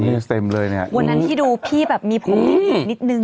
วันนั้นที่ดูพี่มีภูมิหนีนิดนึง